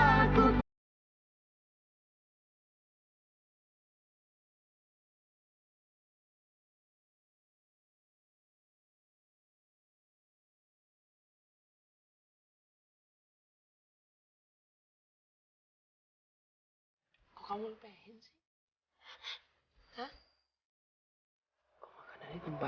aku menjur cinta kepadamu